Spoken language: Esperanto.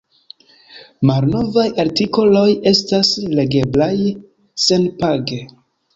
Malnovaj artikoloj estas legeblaj senpage.